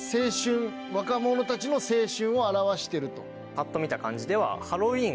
パッと見た感じでは。